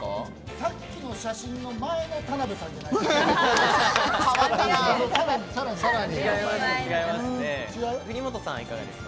さっきの写真の前の田辺さんじゃないですか？